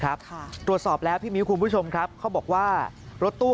ครับค่ะตรวจสอบแล้วพี่มิ้วคุณผู้ชมครับเขาบอกว่ารถตู้